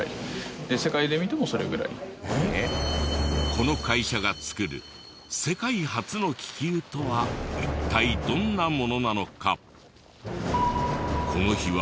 この会社が作る世界初の気球とは一体どんなものなのか！？